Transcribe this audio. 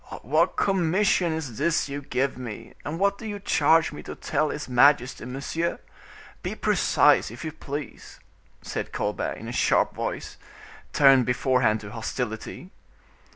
"What commission is this you give me, and what do you charge me to tell his majesty, monsieur? Be precise, if you please," said Colbert, in a sharp voice, tuned beforehand to hostility.